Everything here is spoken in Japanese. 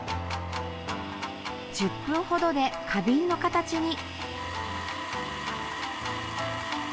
１０分ほどで花瓶の形に。